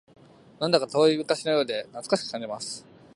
なんだか遠い昔のようで懐かしく感じます